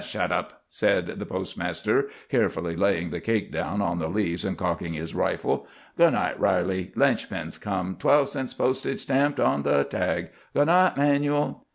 "Shet up," said the postmaster, carefully laying the cake down on the leaves, and cocking his rifle. "Good night, Riley. Linch pin's come; twelve cents postage stamped on the tag. Good night, 'Manuel.